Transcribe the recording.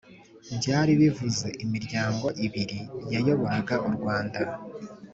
byari bivuze imiryango ibiri yayoboraga u rwanda